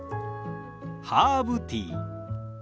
ハーブティー。